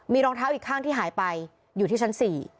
มีรองเท้าอีกข้างที่หายไปอยู่ที่ชั้น๔